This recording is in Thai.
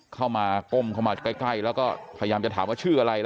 เข้ามาก้มเข้ามาใกล้แล้วก็พยายามจะถามว่าชื่ออะไรล่ะ